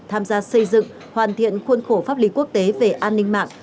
tham gia xây dựng hoàn thiện khuôn khổ pháp lý quốc tế về an ninh mạng